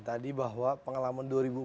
tadi bahwa pengalaman dua ribu empat belas